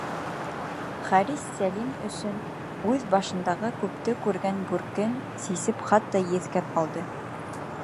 Харис Сәлим өсөн үҙ башындағы күпте күргән бүркен сисеп хатта еҫкәп алды.